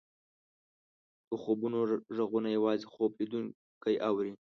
د خوبونو ږغونه یوازې خوب لیدونکی اوري.